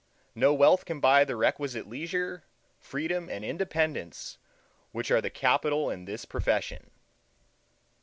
No wealth can buy the requisite leisure, freedom, and independence which are the capital in this profession.